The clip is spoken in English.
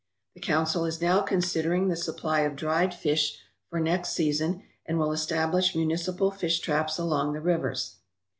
The council is now considering the supply of dried fish for next season and will establish municipal fish traps along the rivers.